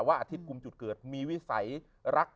อาทิตย์กลุ่มจุดเกิดมีวิสัยรัก